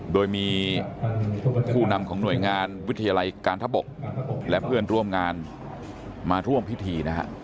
โดยมีผู้นำของหน่วยงานวิทยาลัยการทะบกและเพื่อนร่วมงานมาร่วมพิธีนะฮะ